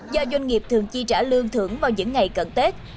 do doanh nghiệp thường chi trả lương thưởng vào những ngày cận tết